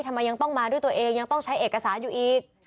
ทำไมยังต้องมาด้วยตัวเองยังต้องใช้เอกสารอยู่อีก